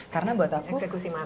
karena buat aku